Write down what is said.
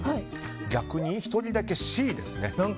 逆に１人だけＣですね。